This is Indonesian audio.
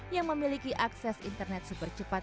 yang memiliki akses internet super cepat